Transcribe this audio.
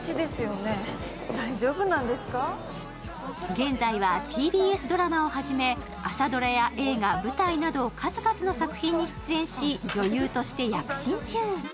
現在はＴＢＳドラマをはじめ朝ドラや映画、舞台など数々の作品に出演し女優として躍進中。